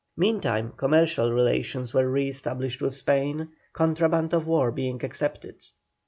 Meantime commercial relations were re established with Spain, contraband of war being excepted.